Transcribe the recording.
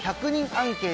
アンケート